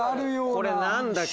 これ何だっけ？